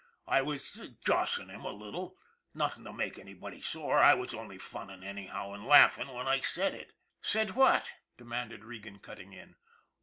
I was jossing him a little nothing to make anybody sore. I was only funning anyhow, and laughing when I said it." " Said what ?" demanded Regan, cutting in.